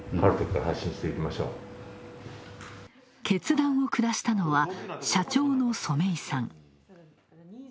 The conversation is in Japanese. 決断を下したのは社長の染井さん。